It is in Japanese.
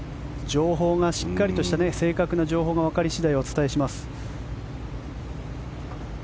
情報がしっかりとした正確な情報がわかり次第お伝えします。